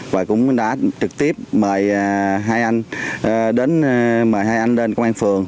và cũng đã trực tiếp mời hai anh đến công an phường